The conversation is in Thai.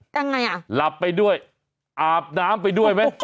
ยังไงอ่ะหลับไปด้วยอาบน้ำไปด้วยไหม